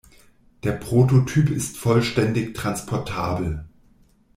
Der Prototyp ist vollständig transportabel.